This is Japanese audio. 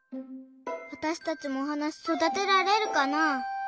わたしたちもおはなそだてられるかな？